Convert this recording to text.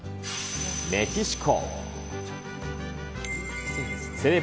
メキシコ。